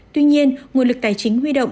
tuy nhiên nguồn lực tài chính huy động